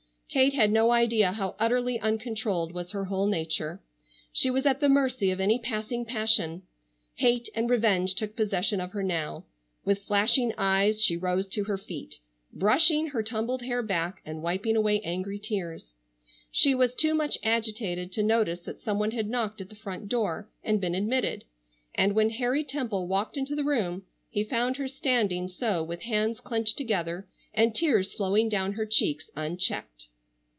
Kate had no idea how utterly uncontrolled was her whole nature. She was at the mercy of any passing passion. Hate and revenge took possession of her now. With flashing eyes she rose to her feet, brushing her tumbled hair back and wiping away angry tears. She was too much agitated to notice that some one had knocked at the front door and been admitted, and when Harry Temple walked into the room he found her standing so with hands clenched together, and tears flowing down her cheeks unchecked.